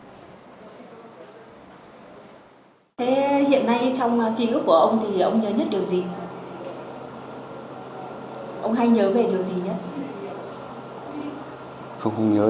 thế hiện nay trong ký ức của ông thì ông nhớ nhất điều gì